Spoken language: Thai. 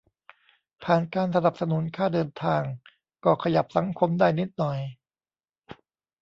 ผ่านการสนับสนุนค่าเดินทาง ก็ขยับสังคมได้นิดหน่อย